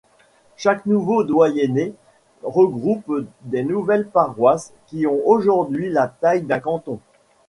Chaque nouveau doyenné regroupe des nouvelles paroisses, qui ont aujourd'hui la taille d'un canton.